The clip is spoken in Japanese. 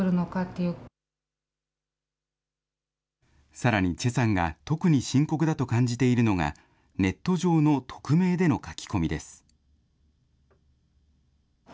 さらにチェさんが特に深刻だと感じているのが、ネット上の匿名での書き込みです。